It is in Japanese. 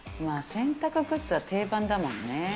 洗濯グッズは定番だもんね。